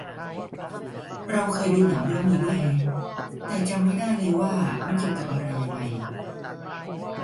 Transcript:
เราเคยดูหนังเรื่องนี้ด้วยแฮะ แต่จำไม่ได้เลยว่ามันเกี่ยวกับอะไรยังไง